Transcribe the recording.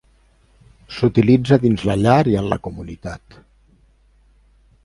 S'utilitza dins la llar i en la comunitat.